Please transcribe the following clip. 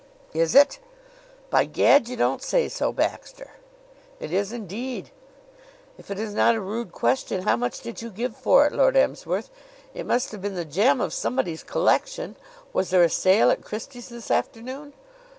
"Is it? By Gad! You don't say so, Baxter!" "It is, indeed. If it is not a rude question, how much did you give for it, Lord Emsworth? It must have been the gem of somebody's collection. Was there a sale at Christie's this afternoon?"